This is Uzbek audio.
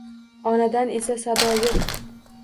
Onadan esa sado yo`q